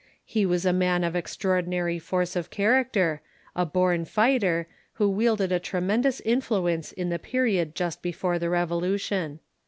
He was a man of extraordinary force of character, a born fighter, who wielded a tremendous influ ence in the period just before the Revolution.